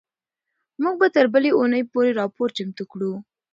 موږ به تر بلې اونۍ پورې راپور چمتو کړو.